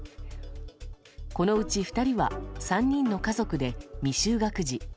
このうち２人は３人の家族で未就学児。